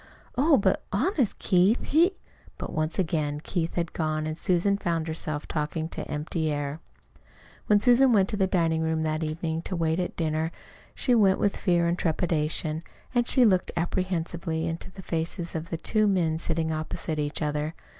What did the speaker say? "Oh, but honest, Keith, he " But once again Keith had gone and Susan found herself talking to empty air. When Susan went into the dining room that evening to wait at dinner, she went with fear and trepidation, and she looked apprehensively into the faces of the two men sitting opposite each other.